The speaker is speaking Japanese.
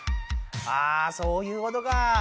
あそういうことか。